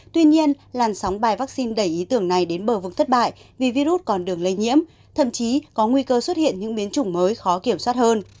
tuy nhiên làn sóng bài vaccine đẩy ý tưởng này đến bờ vực thất bại vì virus còn đường lây nhiễm thậm chí có nguy cơ xuất hiện những biến chủng mới khó kiểm soát hơn